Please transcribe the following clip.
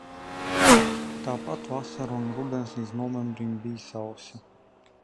Tāpat vasara un rudens līdz novembrim bij sausi.